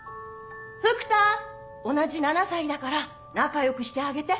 福多同じ７歳だから仲良くしてあげて。